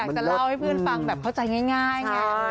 จะเล่าให้เพื่อนฟังแบบเข้าใจง่ายไง